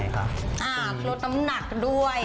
ลดน้ำหนักด้วย